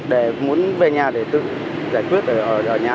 để muốn về nhà để tự giải quyết ở nhà